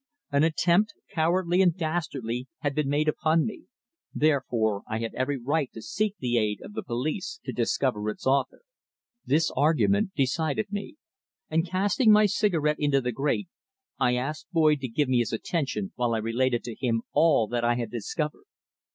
An attempt, cowardly and dastardly, had been made upon me, therefore I had every right to seek the aid of the police to discover its author. This argument decided me, and casting my cigarette into the grate, I asked Boyd to give me his attention while I related to him all that I had discovered.